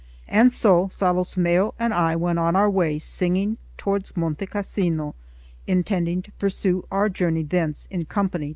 And so Solosmeo and I went on our way singing toward Monte Cassino, intending to pursue our journey thence in company toward Naples.